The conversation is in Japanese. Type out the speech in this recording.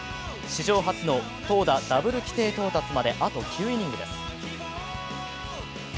史上初の投打ダブル規定到達まであと９イニングです。